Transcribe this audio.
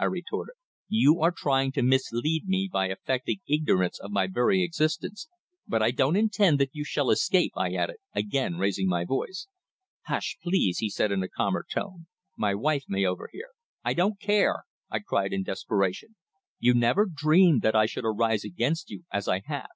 I retorted. "You are trying to mislead me by affecting ignorance of my very existence, but I don't intend that you shall escape!" I added, again raising my voice. "Hush, please," he said in a calmer tone. "My wife may overhear." "I don't care!" I cried in desperation. "You never dreamed that I should arise against you, as I have.